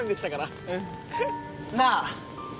なあ。